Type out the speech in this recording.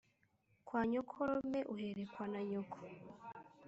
kwa nyokorome uherekwa na nyoko.